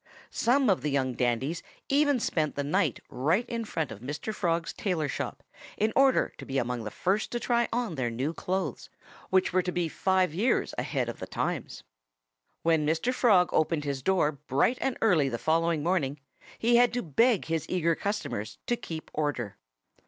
Some of the young dandies even spent the night right in front of Mr. Frog's tailor's shop, in order to be among the first to try on their new clothes, which were to be five years ahead of the times. When Mr. Frog opened his door bright and early the following morning he had to beg his eager customers to keep order.